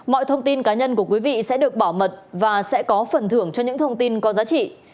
mọi thông tin cá nhân của quý vị sẽ được bảo mật và sẽ có phần thưởng cho những thông tin có giá trị